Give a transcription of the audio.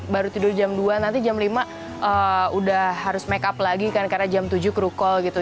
baru tidur jam dua nanti jam lima udah harus make up lagi kan karena jam tujuh kru call gitu